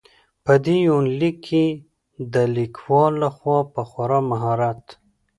په دې يونليک کې د ليکوال لخوا په خورا مهارت.